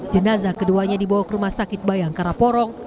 jenazah keduanya dibawa ke rumah sakit bayangkara porong